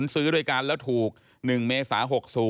ซื้อด้วยกันแล้วถูก๑เมษา๖๐